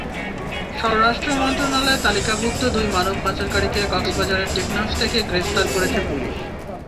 স্বরাষ্ট্র মন্ত্রণালয়ের তালিকাভুক্ত দুই মানব পাচারকারীকে কক্সবাজারের টেকনাফ থেকে গ্রেপ্তার করেছে পুলিশ।